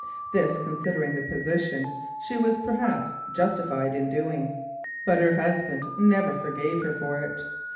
This, considering the position, she was perhaps justified in doing, but her husband never forgave her for it.